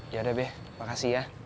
yaudah be makasih ya